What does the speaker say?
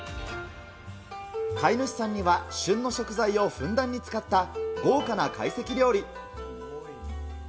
飼い主さんには旬の食材をふんだんに使った豪華な会席料理。